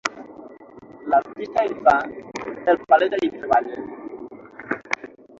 L'artista en fa, el paleta hi treballa.